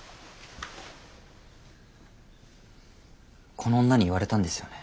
この女に言われたんですよね？